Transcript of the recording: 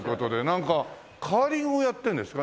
なんかカーリングをやってるんですか？